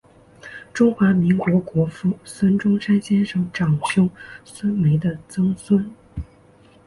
中华民国国父孙中山先生长兄孙眉的曾孙。